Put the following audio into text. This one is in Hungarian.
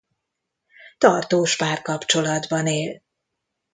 Tartós párkapcsolatban él.